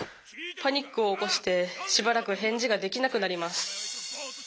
パニックを起こしてしばらく返事ができなくなります。